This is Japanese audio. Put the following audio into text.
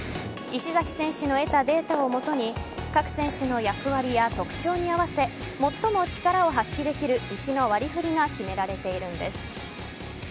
石崎選手の得たデータを基に各選手の役割や特徴に合わせ最も力を発揮できる石の割り振りが決められているんです。